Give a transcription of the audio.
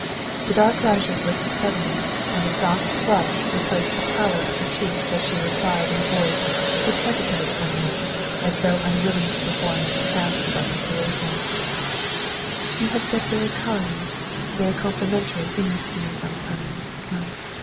The dark lashes lifted suddenly, and a soft flush re placed the pallor of her cheeks as she replied in a voice which hesitated somewhat, as though unwilling to per form its task of articulation: ' You have said very kind, very complimentary things to me sometimes, Count.